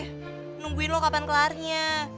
eh nungguin lo kapan kelarnya